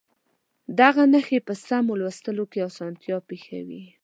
دغه نښې په سمو لوستلو کې اسانتیا پېښوي.